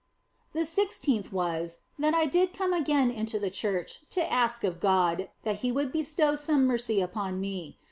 The sixteenth was, that I did come again into the church to ask of God that He would bestow some mercy upon me.